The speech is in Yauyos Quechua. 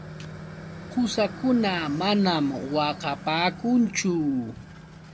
Qusakuna manam waqapaakunchu.